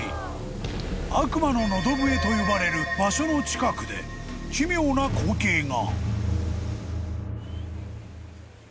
［と呼ばれる場所の近くで奇妙な光景が］